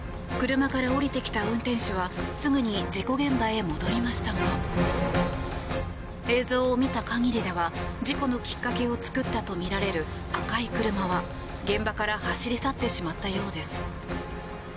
車から降りてきた運転手はすぐに事故現場へ戻りましたが映像を見た限りでは事故のきっかけを作ったとみられる赤い車は、現場から走り去ってしまったようです。